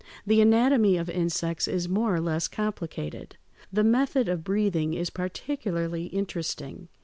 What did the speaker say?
The anatomy of insects is more or less complicated. The method of breathing is particularly interesting.